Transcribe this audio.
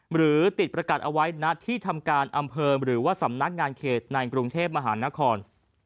หรือติดประกัดเอาไว้ณที่ทำการอำเภอหรือว่าสำนักงานเขตในกรุงเทพมหานคร